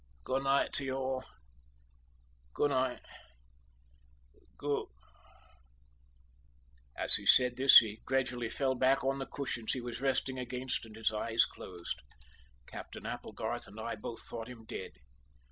Good night to you all good night good " As he said this he gradually fell back on the cushion he was resting against, and his eyes closed. Captain Applegarth and I both thought him dead.